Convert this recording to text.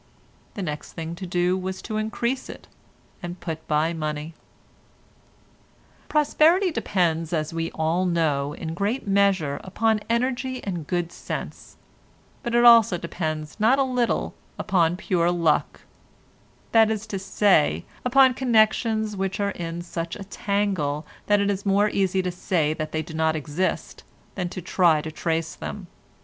The next thing to do was to increase it, and put by money. Prosperity depends, as we all know, in great measure upon energy and good sense, but it also depends not a little upon pure luck—that is to say, upon connections which are in such a tangle that it is more easy to say that they do not exist, than to try to trace them.